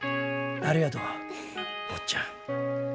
ありがとう坊っちゃん。